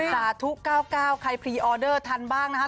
สาธุ๙๙ใครพรีออเดอร์ทันบ้างนะคะ